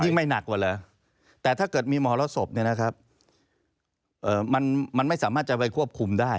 ยิ่งไม่หนักกว่าเหรอแต่ถ้าเกิดมีมหรสมมันไม่สามารถจะไปควบคุมได้